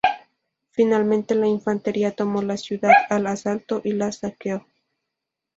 Finalmente la infantería tomó la ciudad al asalto y la saqueó.